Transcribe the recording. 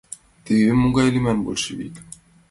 Теве могай лийман большевик.